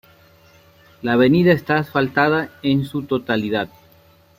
La avenida está asfaltada en su totalidad.